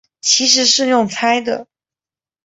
其实是用猜的